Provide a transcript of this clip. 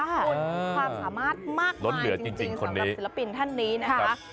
ความสามารถมากมายจริงสำหรับศิลปินท่านนี้นะคะ